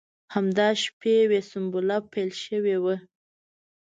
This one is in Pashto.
همدا شپې وې سنبله پیل شوې وه.